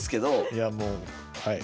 いやもうはい。